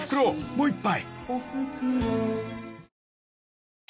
もう一杯］